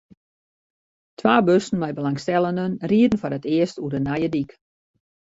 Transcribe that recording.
Twa bussen mei belangstellenden rieden foar it earst oer de nije dyk.